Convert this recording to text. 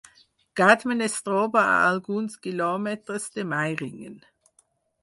Gadmen es troba a alguns quilòmetres de Meiringen.